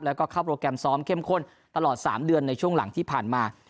แล้วก็เข้าโปรแกรมซ้อมเข้มข้นตลอด๓เดือนในช่วงหลังที่ผ่านมา